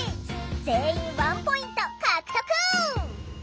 全員１ポイント獲得！